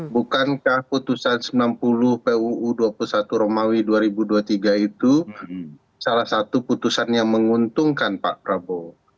bukankah putusan sembilan puluh puu dua puluh satu romawi dua ribu dua puluh tiga itu salah satu putusan yang menguntungkan pak prabowo